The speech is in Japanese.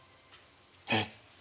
えっ。